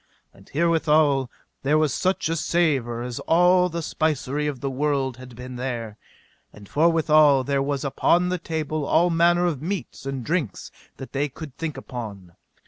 And herewithal there was such a savour as all the spicery of the world had been there. And forthwithal there was upon the table all manner of meats and drinks that they could think upon.